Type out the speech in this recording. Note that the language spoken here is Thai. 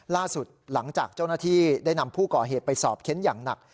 ล่าสุดหลังจากเจ้าหน้าที่ได้นำผู้ก่อเหตุไปสอบเค้นอย่างหนัก